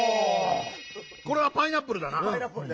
これは「パイナップル」だな！